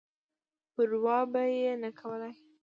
پر وا به یې نه کولای.